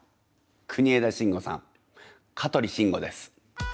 国枝慎吾さん、香取慎吾です。